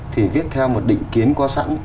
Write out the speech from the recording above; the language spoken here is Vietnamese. thì viết theo một định kiến có sẵn